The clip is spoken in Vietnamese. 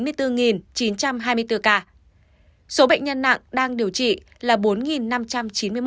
số bệnh nhân nặng đang điều trị là bốn năm trăm chín mươi một ca